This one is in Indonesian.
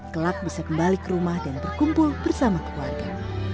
kelak bisa kembali ke rumah dan berkumpul bersama keluarga